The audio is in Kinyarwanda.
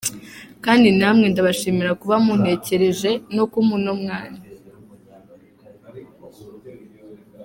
Kandi namwe ndabashimira kuba muntekereje no kumpa uno mwanya.